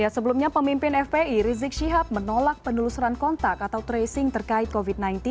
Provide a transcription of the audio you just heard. sebelumnya pemimpin fpi rizik syihab menolak penelusuran kontak atau tracing terkait covid sembilan belas